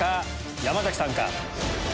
山さんか？